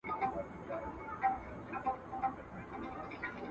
شپه خوره سوه خدايه!